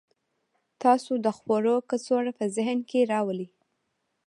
تاسو د خوړو کڅوړه په ذهن کې راولئ